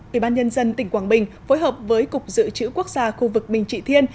ủy ban nhân dân tỉnh quảng bình phối hợp với cục dự trữ quốc gia khu vực bình trị thiên